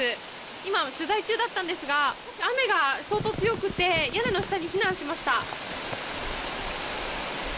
今、取材中だったんですが雨が相当強くて屋根の下に避難しました。